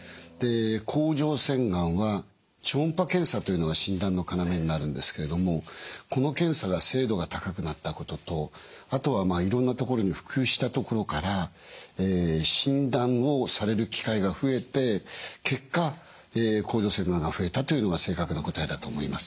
甲状腺がんは超音波検査というのが診断の要になるんですけれどもこの検査が精度が高くなったこととあとはまあいろんなところに普及したところから診断をされる機会が増えて結果甲状腺がんが増えたというのが正確な答えだと思います。